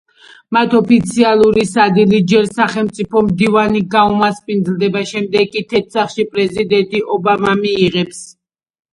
მათ ოფიციალური სადილით ჯერ სახელმწიფო მდივანი გაუმასპინძლდება, შემდეგ კი თეთრ სახლში პრეზიდენტი ობამა მიიღებს.